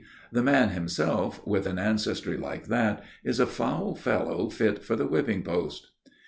The man himself, with an ancestry like that, is a foul fellow fit for the whipping post."